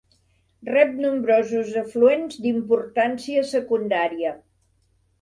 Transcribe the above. Rep nombrosos afluents d'importància secundària.